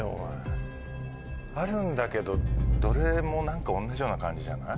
あるんだけどどれも何か同じような感じじゃない？